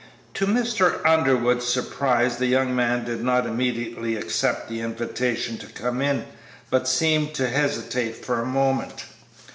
To Mr. Underwood's surprise the young man did not immediately accept the invitation to come in, but seemed to hesitate for a moment.